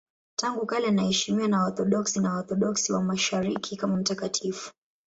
Tangu kale anaheshimiwa na Waorthodoksi na Waorthodoksi wa Mashariki kama mtakatifu.